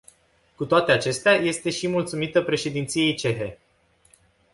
Cu toate acestea, este și mulțumită președinției cehe.